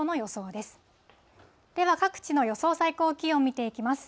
では、各地の予想最高気温を見ていきます。